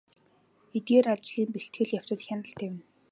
Эдгээр ажлын бэлтгэл явцад хяналт тавина.